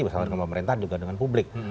pasal rekomendasi pemerintahan juga dengan publik